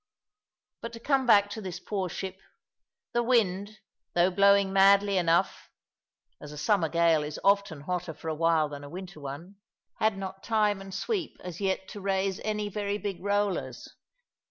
But to come back to this poor ship: the wind, though blowing madly enough (as a summer gale is often hotter for a while than a winter one), had not time and sweep as yet to raise any very big rollers.